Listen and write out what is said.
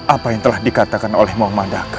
apa yang telah dikatakan oleh mong madaka